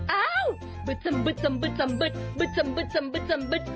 เอ้าววววบึดจำบึดจำบึดจำบึด